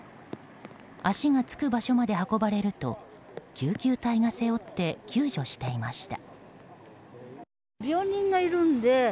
足がつく場所まで運ばれると救急隊が背負って救助していました。